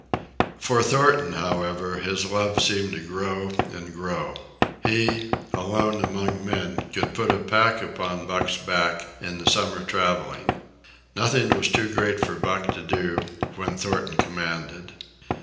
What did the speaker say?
For Thornton, however, his love seemed to grow and grow. He, alone among men, could put a pack upon Buck's back in the summer travelling. Nothing was too great for Buck to do, when Thornton commanded.